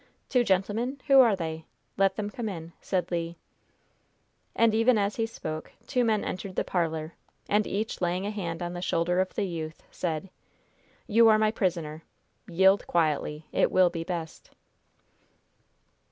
"Two gentlemen? Who are they? Let them come in," said Le. And, even as he spoke, two men entered the parlor, and, each laying a hand on the shoulder of the youth, said: "You are my prisoner! Yield quietly. It will be best."